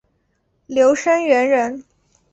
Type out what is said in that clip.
刘声元人。